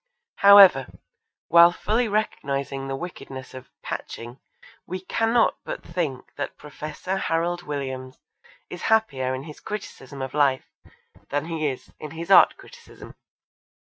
However, while fully recognising the wickedness of 'patching' we cannot but think that Professor Harald Williams is happier in his criticism of life than he is in his art criticism.